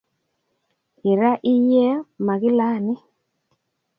Ira iyie magilani